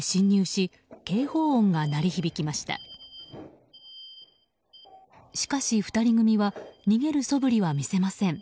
しかし、２人組は逃げるそぶりは見せません。